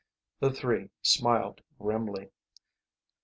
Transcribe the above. The three smiled grimly.